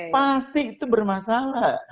pasti itu bermasalah